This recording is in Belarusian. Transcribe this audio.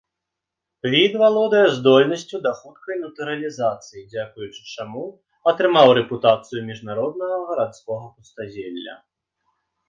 Від валодае здольнасцю да хуткай натуралізацыі, дзякуючы чаму атрымаў рэпутацыю міжнароднага гарадскога пустазелля.